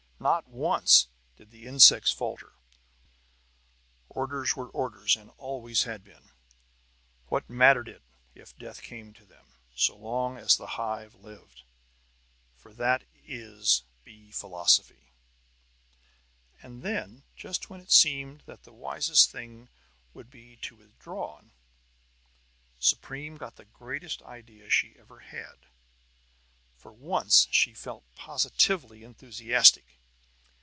Not once did the insects falter; orders were orders, and always had been. What mattered it if death came to them, so long as the Hive lived? For that is bee philosophy. And then, just when it seemed that the wisest thing would be to withdraw, Supreme got the greatest idea she had ever had. For once she felt positively enthusiastic.